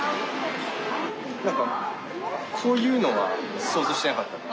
そういうのは想像してなかったね。